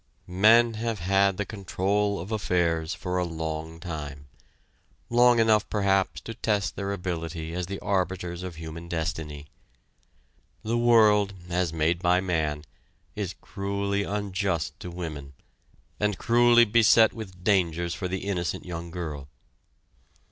Men have had the control of affairs for a long time, long enough perhaps to test their ability as the arbiters of human destiny. The world, as made by man, is cruelly unjust to women, and cruelly beset with dangers for the innocent young girl.